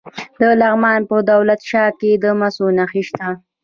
د لغمان په دولت شاه کې د مسو نښې شته.